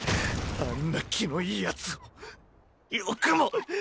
あんな気のいいヤツをよくも！